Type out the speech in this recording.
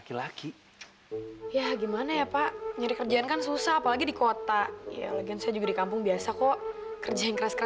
sampai jumpa di video selanjutnya